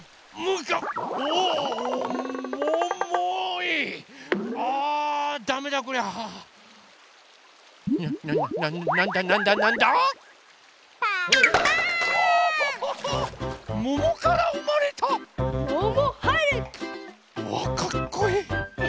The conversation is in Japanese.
うわかっこいい！